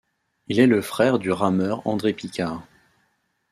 Il est le frère du rameur André Picard.